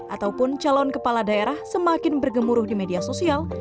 ataupun calon kepala daerah semakin bergemuruh di media sosial